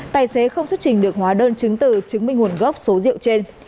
tài xế không xuất trình được hóa đơn chứng từ chứng minh nguồn gốc số rượu trên